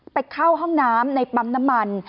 เข้าห้องน้ำในปั๊มน้ำมัน